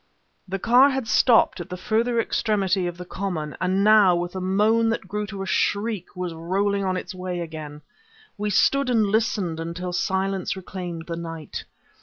The car had stopped at the further extremity of the common, and now with a moan that grew to a shriek was rolling on its way again. We stood and listened until silence reclaimed the night.